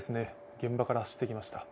現場から走ってきました。